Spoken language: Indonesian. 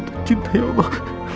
dan cinta ya allah